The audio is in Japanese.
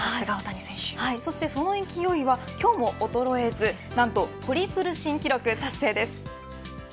その勢いは今日も衰えず何と、トリプル新記録達成です。